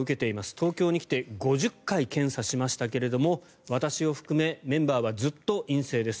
東京に来て５０回検査しましたけれども私を含めメンバーはずっと陰性です